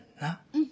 うん。